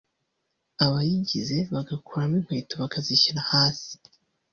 abayigize bagakuramo inkweto bakazishyira hasi